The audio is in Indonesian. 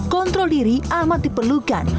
kontrol diri amat diperlukan